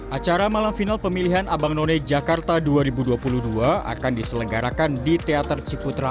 acara malam final pemilihan abang none jakarta dua ribu dua puluh dua akan diselenggarakan di teater ciputra